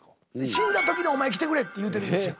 「死んだ時にお前来てくれ」って言うてるんですよ。